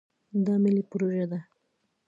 دا ملي پروژه ده.